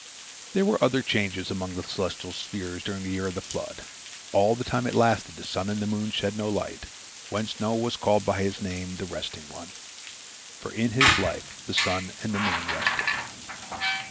There were other changes among the celestial spheres during the year of the flood. All the time it lasted, the sun and the moon shed no light, whence Noah was called by his name, "the resting one," for in his life the sun and the moon rested.